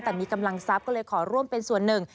แต่มีกำลังทรัพย์ก็เลยขอร่วมเป็นส่วนหนึ่ง